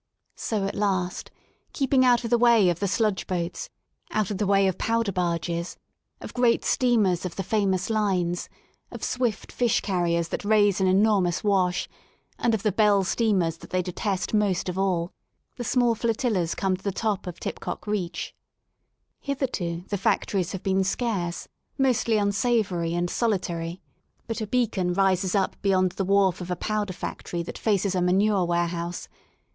So at last, keeping out of the way of the sludge boats, out of the way of powder barges, of great Steamers of the famous Lines, of swift fish carriers that raise an enormous wash, and of the Belle steamers that they detest most of all, che small flotillas come to the top of Tipcock Reach* Hitherto the factories have been scarce, mostly unsavoury and solitary. But a beacon rises up beyond the wharf of a powder factory 67 THE SOUL OF LONDON that faces a manure warehouse.